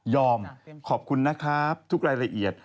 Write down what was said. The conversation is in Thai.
ขอบคุณนะครับทุกรายละเอียด